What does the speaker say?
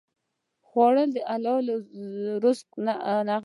خوړل د حلال رزق نغمه ده